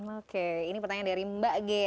oke ini pertanyaan dari mbak g